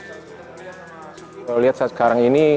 kalau lihat saat sekarang ini